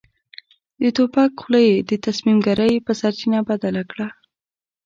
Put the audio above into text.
د توپک خوله يې د تصميم ګيرۍ په سرچينه بدله کړه.